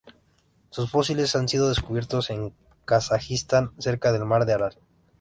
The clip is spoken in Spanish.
Sus fósiles han sido descubiertos en Kazajistán cerca del Mar de Aral.